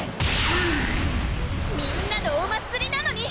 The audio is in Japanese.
ウゥみんなのお祭りなのに！